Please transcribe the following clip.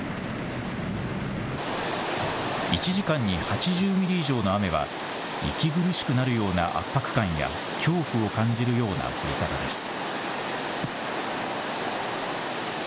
１時間に８０ミリ以上の雨は息苦しくなるような圧迫感や恐怖を感じるような降り方です。